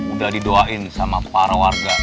udah didoain sama para warga